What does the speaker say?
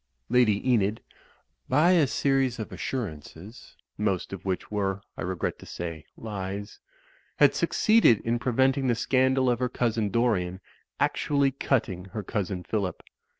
Lady Enid, by a series of assurances (most of which were, I regret to say, lies) had succeeded in prevent ing the scandal of her cousin, Dorian, actually cutting her cousin, Phillip.